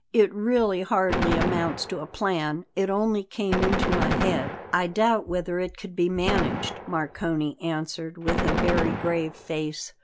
It really hardly amounts to a plan; it only came into my head." "I doubt whether it could be managed," Marcone answered with a very grave face.